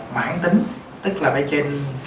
mãn tính tức là phải trên